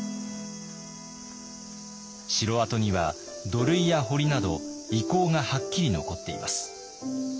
城跡には土塁や堀など遺構がはっきり残っています。